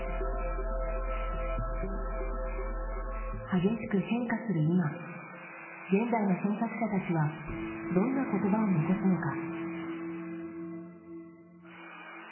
激しく変化する今現代の変革者たちはどんな言葉を残すのか？